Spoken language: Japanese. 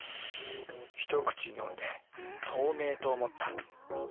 一口飲んで透明！と思った。